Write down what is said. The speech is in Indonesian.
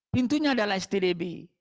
pintunya adalah stdb